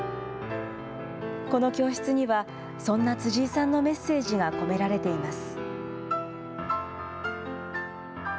この教室には、そんな辻井さんのメッセージが込められています。